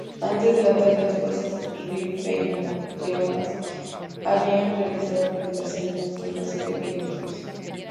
Antes del ataque, las fuerzas rifeño-yebalas, habían realizado penetraciones nocturnas en pequeños grupos.